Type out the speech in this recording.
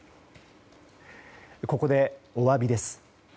ここでお詫びです。